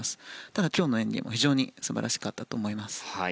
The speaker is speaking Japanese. ただ、今日の演技も非常に素晴らしかったです。